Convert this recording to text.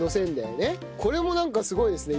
これもなんかすごいですね。